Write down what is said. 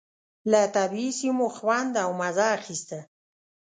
له طبعي سیمو خوند او مزه اخيسته.